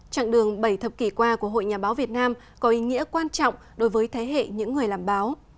trạng đường bảy thập kỷ qua của hội nhà báo việt nam có ý nghĩa quan trọng đối với thế hệ những người làm báo